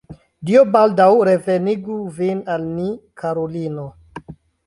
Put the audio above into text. Dio baldaŭ revenigu vin al ni, karulino.